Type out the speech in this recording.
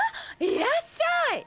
いらっしゃい！